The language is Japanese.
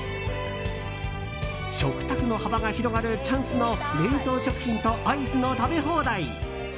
食卓の幅が広がるチャンスの冷凍食品とアイスの食べ放題。